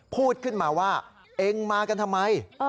พูดขึ้นมาว่าเองมากันทำไม